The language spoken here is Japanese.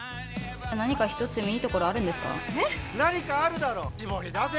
何か１つでもいいところあるんですか？